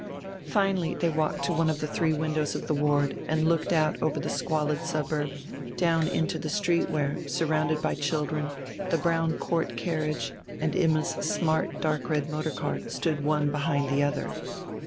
Finally they walked to one of the three windows of the ward and looked out over the squalid suburb, down into the street where, surrounded by children, the brown Court carriage and Imma's smart dark red motor car stood one behind the other.